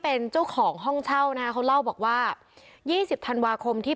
เป็นเจ้าของห้องเช่านะฮะเขาเล่าบอกว่ายี่สิบธันวาคมที่